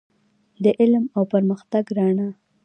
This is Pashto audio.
د علم او پرمختګ رڼا.